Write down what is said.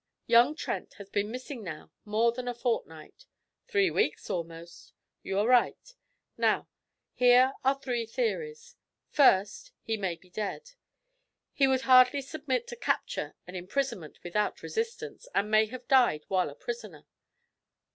Young Trent has been missing now more than a fortnight ' 'Three weeks, almost.' 'You are right. Now, here are three theories: First, he may be dead. He would hardly submit to capture and imprisonment without resistance, and may have died while a prisoner.